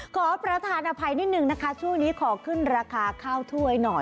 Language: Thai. ขอประธานอภัยนิดนึงนะคะช่วงนี้ขอขึ้นราคาข้าวถ้วยหน่อย